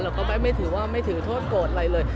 ก็ไม่ถือว่าไม่ถือโทษโกรธอะไรเลย